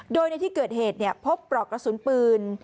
โดยในที่เกิดเหตุพบปลอกกระสุนปืน